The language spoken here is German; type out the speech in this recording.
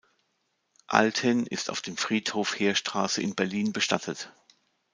Althen ist auf dem Friedhof Heerstraße in Berlin bestattet.